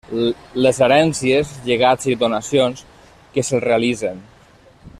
Les herències, llegats i donacions que se'l realitzen.